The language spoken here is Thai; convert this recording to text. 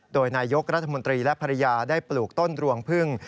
โดยนายกรัฐมนตรีและภรรยาได้ปลูกต้นรวงพึ่ง